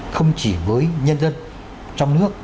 không chỉ với nhân dân trong nước